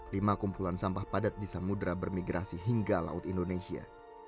lima kumpulan sampah padat di samudera bermigrasi hingga laut indonesia